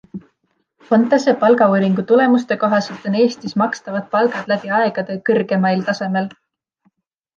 Fontese palgauuringu tulemuste kohaselt on Eestis makstavad palgad läbi aegade kõrgemail tasemel.